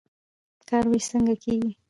د کار ویش څنګه کیږي؟